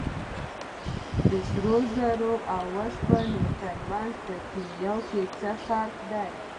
د سرو زرو او اوسپنې ترمنځ په کیمیا کې څه فرق دی